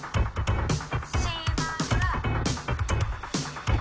島村！